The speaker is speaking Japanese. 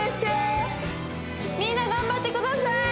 みんな頑張ってください